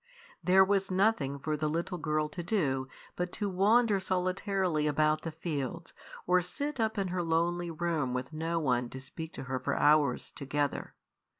There was nothing for the little girl to do but to wander solitarily about the fields or sit up in her lonely room with no one to speak to her for hours together.